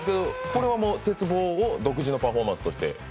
鉄棒を独自のパフォーマンスとして？